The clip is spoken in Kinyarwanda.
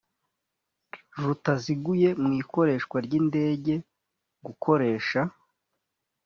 rutaziguye mu ikoreshwa ry indege gukoresha